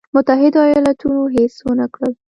متحدو ایالتونو هېڅ ونه کړل.